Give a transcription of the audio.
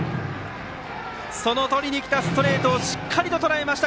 そのとりにきたストレートをしっかりととらえました